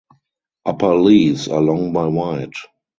Upper leaves are long by wide.